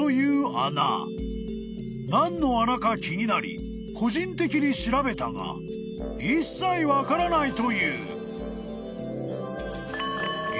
［何の穴か気になり個人的に調べたが一切分からないという］